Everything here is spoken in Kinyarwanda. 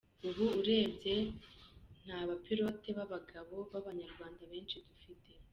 Ubu urebye nta n’abapilote b’abagabo b’Abanyarwanda benshi dufite.